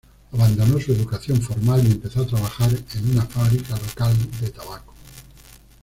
Abandonó su educación formal y empezó a trabajar en una fábrica local de tabaco.